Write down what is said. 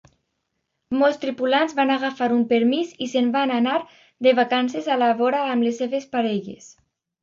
Molts tripulants van agafar un permís i se'n van anar de vacances a la vora amb les seves parelles.